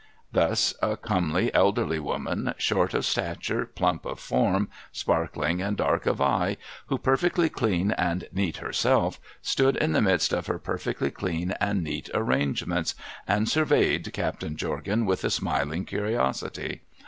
Thus a comely, elderly woman, short of stature, plump of form, sparkling and dark of eye, who, perfectly clean and neat herself, stood in the midst of her perfectly clean and neat arrangements, and surveyed Captain Jorgan with smiling curiosity.